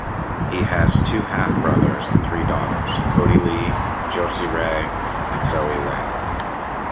He has two half-brothers and three daughters, Koddi Lee, Jossi Rae and Zoey Lyn.